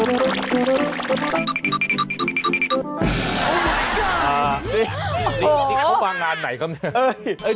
โอ้โฮติ๊กเข้ามางานไหนครับ